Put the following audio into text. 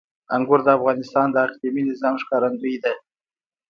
انګور د افغانستان د اقلیمي نظام ښکارندوی ده.